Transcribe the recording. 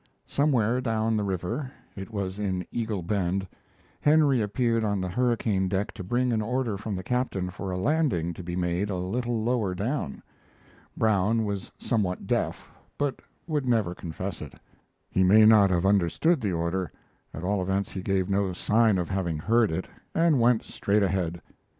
Somewhere down the river (it was in Eagle Bend) Henry appeared on the hurricane deck to bring an order from the captain for a landing to be made a little lower down. Brown was somewhat deaf, but would never confess it. He may not have understood the order; at all events he gave no sign of having heard it, and went straight ahead.